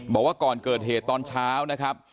บอกว่าก่อนเกิดเหตุตอนเช้านะครับ